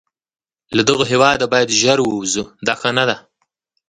له دغه هیواده باید ژر ووزو، دا ښه نه ده.